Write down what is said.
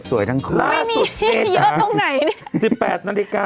สวยทั้งคู่ไม่มีเยอะตรงไหนนี่สุดเต้นค่ะ